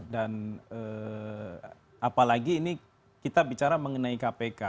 dan apalagi ini kita bicara mengenai kpk